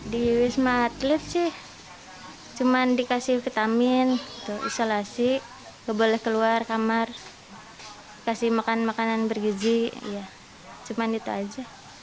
di wisma atlet sih cuma dikasih vitamin untuk isolasi boleh keluar kamar dikasih makanan makanan bergizi cuma itu aja